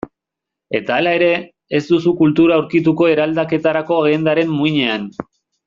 Eta hala ere, ez duzu kultura aurkituko eraldaketarako agendaren muinean.